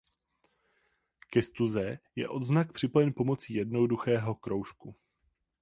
Ke stuze je odznak připojen pomocí jednoduchého kroužku.